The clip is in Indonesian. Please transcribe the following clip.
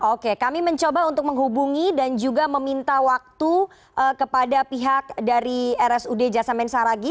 oke kami mencoba untuk menghubungi dan juga meminta waktu kepada pihak dari rsud jasamen saragi